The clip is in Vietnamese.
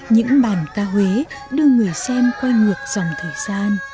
những bàn ca huế đưa người xem quay ngược dòng thời gian